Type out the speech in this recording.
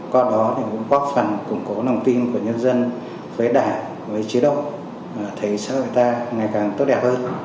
trong đó cũng có phần củng cố nông tin của nhân dân với đảng với chế độ thấy sao người ta ngày càng tốt đẹp hơn